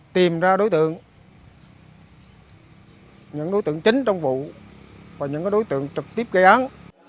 tìm ra đối tượng những đối tượng chính trong vụ và những đối tượng trực tiếp gây án